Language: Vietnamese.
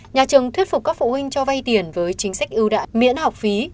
nhà trường thuyết phục các phụ huynh cho vay tiền với chính sách ưu đãi miễn học phí